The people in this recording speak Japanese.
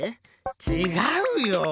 ちがうよ！